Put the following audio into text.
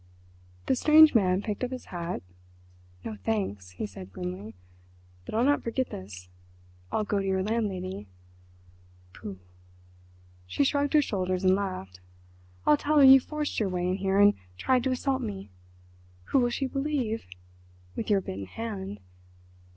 The strange man picked up his hat. "No thanks," he said grimly. "But I'll not forget this—I'll go to your landlady." "Pooh!" She shrugged her shoulders and laughed. "I'll tell her you forced your way in here and tried to assault me. Who will she believe?—with your bitten hand.